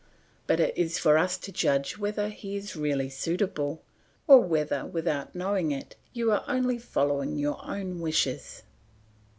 But it is for us to judge whether he is really suitable, or whether, without knowing it, you are only following your own wishes.